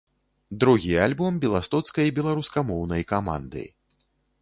Другі альбом беластоцкай беларускамоўнай каманды.